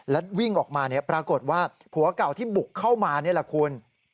และวิ่งออกมาปรากฏว่าผัวเก่าที่บุกเข้ามานี่แหละคุณ